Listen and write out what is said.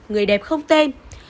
nên quyết định thế chấp nhà khách